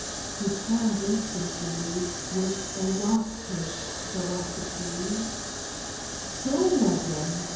He turned instantly, with a waspish ferocity. "So, madam."